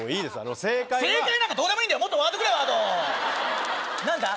正解は正解なんかどうでもいいんだよもっとワードくれワード何だ？